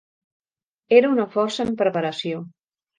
Era una força en preparació.